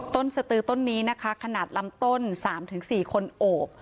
สตือต้นนี้นะคะขนาดลำต้น๓๔คนโอบ